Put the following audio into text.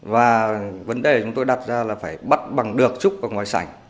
và vấn đề chúng tôi đặt ra là phải bắt bằng được trúc và ngoài sảnh